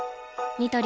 ニトリ